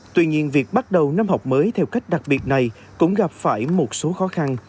tuy nhiên việc bắt đầu năm học mới theo cách đặc biệt này cũng gặp phải một số khó khăn